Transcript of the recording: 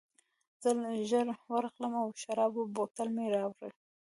زه ژر ورغلم او د شرابو بوتل مې راوړ